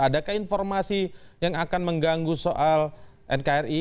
adakah informasi yang akan mengganggu soal nkri